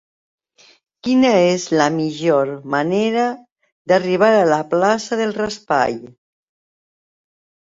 Quina és la millor manera d'arribar a la plaça del Raspall?